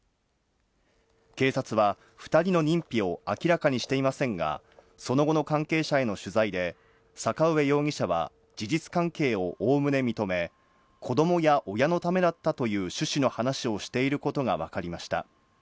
警察は２人の認否を明らかにしていませんが、その後の関係者への取材で坂上容疑者は事実関係を概ね認め、子供や親のためだったという趣旨の話をしていることがわかりました。